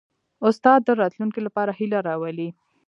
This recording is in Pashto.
استاد د راتلونکي لپاره هیله راولي.